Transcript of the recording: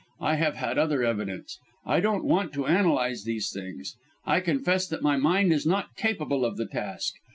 I have had other evidence. I don't want to analyse these things; I confess that my mind is not capable of the task.